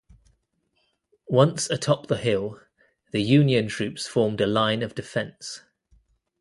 Once atop the hill, the Union troops formed a line of defense.